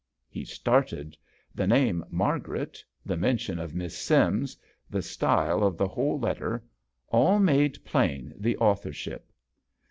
He started. The name "Mar garet," the mention of Miss Sims, the style of the whole etter, all made plain the author ship.